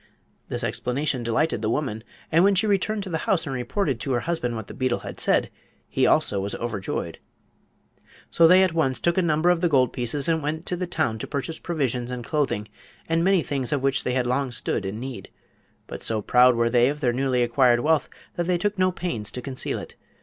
This explanation delighted the woman, and when she returned to the house and reported to her husband what the beetle had said he also was overjoyed. So they at once took a number of the gold pieces and went to the town to purchase provisions and clothing and many things of which they had long stood in need; but so proud were they of their newly acquired wealth that they took no pains to conceal it.